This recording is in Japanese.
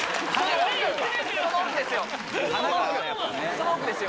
その奥ですよ